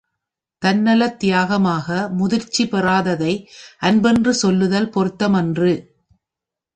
தன்னலத் தியாகமாக முதிர்ச்சி பெறாததை அன்பென்று சொல்லுதல் பொருத்தமன்று.